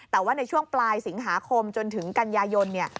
แต่ว่าในช่วงปลายสิงหาคมจนถึงกันยายนเนี่ย